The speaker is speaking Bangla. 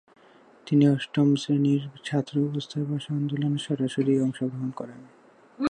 তিনি অষ্টম শ্রেণীর ছাত্র অবস্থায় ভাষা আন্দোলনে সরাসরি অংশগ্রহণ করেন।